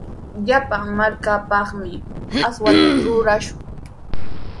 Llapan markapaqmi aswata rurashun.